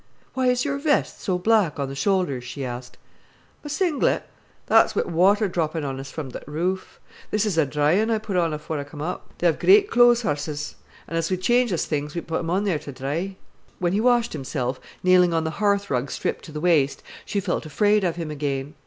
"Why is your vest so black on the shoulders?" she asked. "My singlet? That's wi' th' watter droppin' on us from th' roof. This is a dry un as I put on afore I come up. They ha'e gre't clothes 'osses, an' as we change us things, we put 'em on theer ter dry." When he washed himself, kneeling on the hearth rug stripped to the waist, she felt afraid of him again.